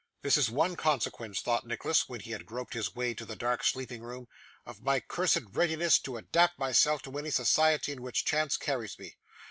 'This is one consequence,' thought Nicholas, when he had groped his way to the dark sleeping room, 'of my cursed readiness to adapt myself to any society in which chance carries me.